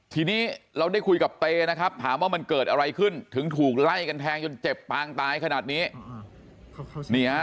ทีนี้เราได้คุยกับเตนะครับถามว่ามันเกิดอะไรขึ้นถึงถูกไล่กันแทงจนเจ็บปางตายขนาดนี้